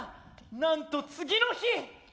なんと次の日。